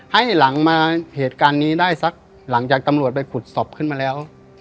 ให้หลังมาเหตุการณ์นี้ได้สักหลังจากตำรวจไปขุดศพขึ้นมาแล้ว